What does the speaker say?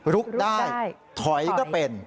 ลุกได้ถอยก็เป็น